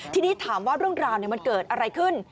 ทีนี้ถามว่าเรื่องราวมันเกิดอะไรขึ้น